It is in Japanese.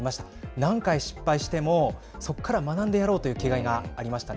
何回失敗しても、そこから学んでやろうという気概がありましたね。